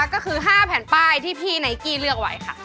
ก็คือ๕แผ่นป้ายที่พี่ไนกี้เลือกไว้ค่ะ